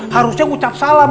harusnya ucap salam